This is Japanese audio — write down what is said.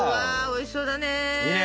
おいしそうだね！